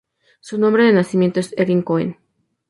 Su nombre de nacimiento es Erin Cohen.